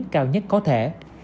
cao nhất có thể